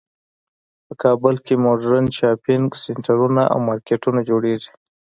په کابل کې مدرن شاپینګ سینټرونه او مارکیټونه جوړیږی